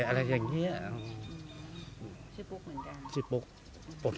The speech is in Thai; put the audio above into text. อะไรอย่างเงี้ยอืมชื่อปุ๊กเหมือนกันชื่อปุ๊กผมชื่อปุ๊กค่ะ